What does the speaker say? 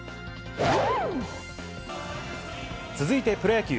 続いてプロ野球。